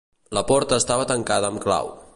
La porta estava tancada amb clau.